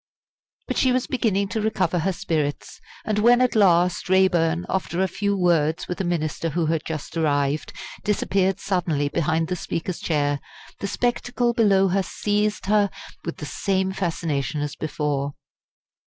But she was beginning to recover her spirits, and when at last Raeburn, after a few words with a minister who had just arrived, disappeared suddenly behind the Speaker's chair, the spectacle below her seized her with the same fascination as before.